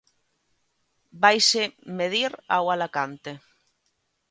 Vaise medir ao Alacante.